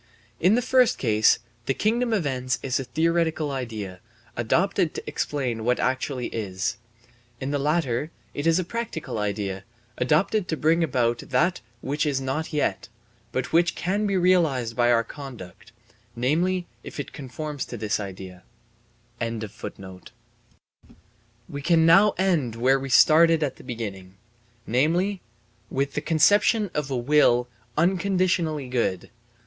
In the first case, the kingdom of ends is a theoretical idea, adopted to explain what actually is. In the latter it is a practical idea, adopted to bring about that which is not yet, but which can be realized by our conduct, namely, if it conforms to this idea. We can now end where we started at the beginning, namely, with the conception of a will unconditionally good.